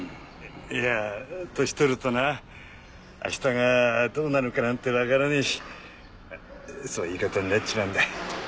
いや年取るとな明日がどうなるかなんてわからねえしそういう言い方になっちまうんだ。